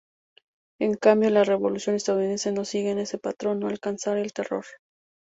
En cambio, la revolución estadounidense no sigue ese patrón al no alcanzar el Terror.